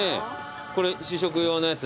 これ試食用のやつ？